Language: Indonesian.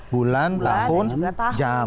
bulan tahun jam